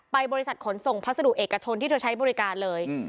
บริษัทขนส่งพัสดุเอกชนที่เธอใช้บริการเลย